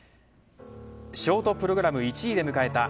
ショートプログラム１位で迎えた